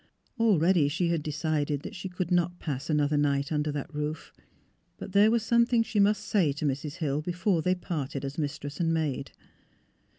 Already she had decided that she could not pass another night under that roof. But there was something she must say to Mrs. Hill before they parted as mistress and maid.